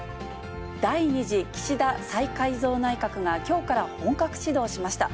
第２次岸田再改造内閣がきょうから本格始動しました。